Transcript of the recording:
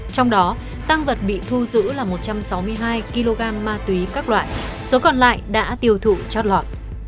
trong đó tăng vật bị thu giữ là một trăm sáu mươi hai kg ma túy các loại số còn lại đã tiêu thụ chót lọt